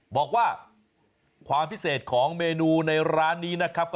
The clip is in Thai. บอกว่าความพิเศษของเมนูในร้านนี้นะครับ